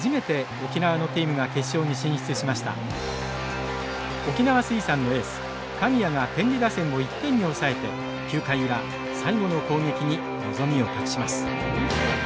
沖縄水産のエース神谷が天理打線を１点に抑えて９回裏最後の攻撃に望みを託します。